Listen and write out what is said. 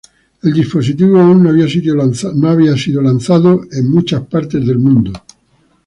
El dispositivo aún no había sido lanzado en muchas partes del mundo.